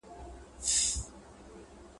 ریښتین شیرخان د پړاوونو په اړه لیکلي دي.